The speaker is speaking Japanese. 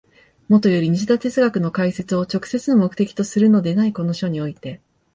もとより西田哲学の解説を直接の目的とするのでないこの書において、